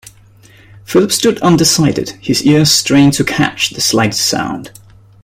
Philip stood undecided, his ears strained to catch the slightest sound.